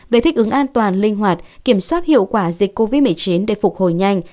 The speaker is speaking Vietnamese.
về thích ứng an toàn linh hoạt kiểm soát hiệu quả dịch covid một mươi chín để phục hồi nhanh